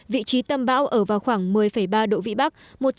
vị trí tâm bão ở vào khoảng một mươi ba độ vĩ bắc